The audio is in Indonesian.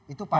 itu pak ali